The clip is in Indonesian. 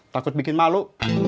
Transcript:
takut bikin malu